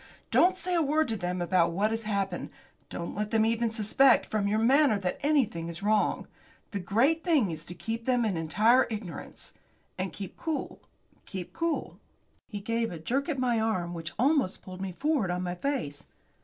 Don't say a word to them about what has happened. Don't let them even suspect from your manner that anything is wrong. The great thing is to keep them in entire ignorance. And keep cool keep cool." He gave a jerk at my arm which almost pulled me forward on my face.